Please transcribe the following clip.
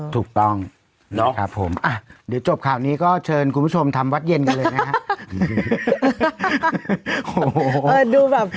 ถูกต้องนะครับผมเดี๋ยวจบข่าวนี้ก็เชิญคุณผู้ชมทำวัดเย็นกันเลยนะครับ